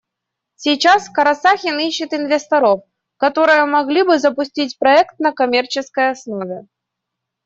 Сейчас Карасахин ищет инвесторов, которые могли бы запустить проект на коммерческой основе.